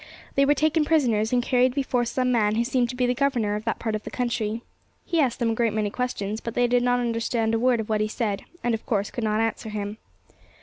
They were taken prisoners, and carried before some man who seemed to be the governor of that part of the country. He asked them a great many questions, but they did not understand a word of what he said, and, of course, could not answer him.